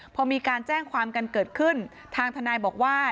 พอมีการแจ้งความกันเกิดขึ้นทางทนายบอกว่า